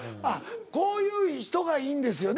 こういう人がいいんですよね。